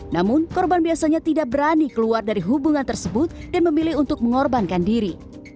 namun korban biasanya tidak berani keluar dari hubungan tersebut dan memilih untuk mengorbankan diri